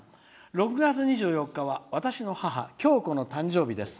６月２４日は私の母きょうこの誕生日です。